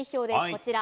こちら。